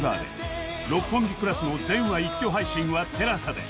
『六本木クラス』の全話一挙配信は ＴＥＬＡＳＡ で